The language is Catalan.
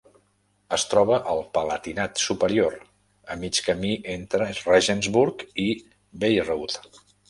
Es troba al Palatinat superior, a mig camí entre Regensburg i Bayreuth.